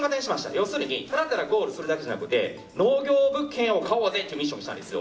要するに、ただただゴールするだけじゃなくて農業物件を買おうぜというのをミッションにしたんです。